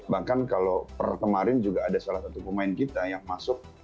bahkan kalau per kemarin juga ada salah satu pemain kita yang masuk